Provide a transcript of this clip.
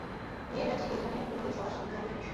মেয়েটা ঠিক ঐখানে তোমাদের সবার সামনে জ্বলজ্বল করছে।